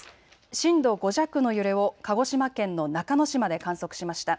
震度５弱の揺れを鹿児島県の中之島で観測しました。